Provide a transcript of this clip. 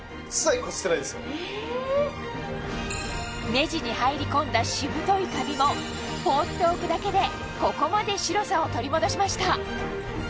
目地に入り込んだしぶといカビも放っておくだけでここまで白さを取り戻しました